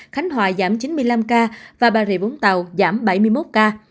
khánh hòa giảm chín mươi năm ca và bà rịa vũng tàu giảm bảy mươi một ca